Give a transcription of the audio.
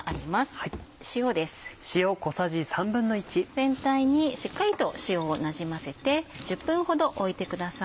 全体にしっかりと塩をなじませて１０分ほど置いてください。